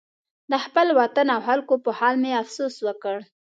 د خپل وطن او خلکو په حال مې افسوس وکړ.